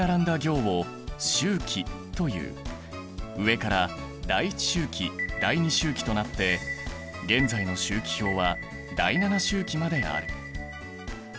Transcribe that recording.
上から第１周期第２周期となって現在の周期表は第７周期まである。